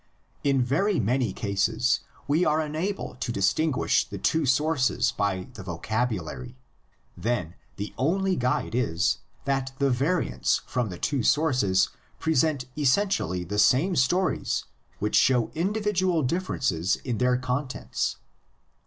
In very many cases we are unable to distinguish the two sources by the vocabulary; then the only 134 THE LEGENDS OF GENESIS. guide is, that the variants from the two sources present essentially the same stories, which show individual differences in their contents.